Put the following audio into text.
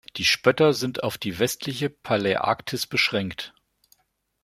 Die Spötter sind auf die westliche Paläarktis beschränkt.